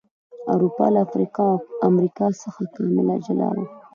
اروپا له افریقا او امریکا څخه کاملا جلا و.